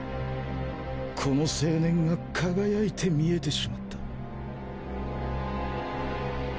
この青年が輝いて見えてしまった